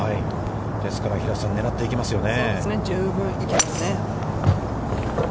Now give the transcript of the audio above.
ですから、平瀬さん、狙っていけますよね。